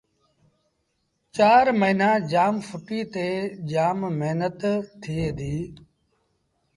چآر موهيݩآݩ جآم ڦٽي تي جآم مهنت ٿئي ديٚ